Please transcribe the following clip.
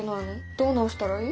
どう直したらいい？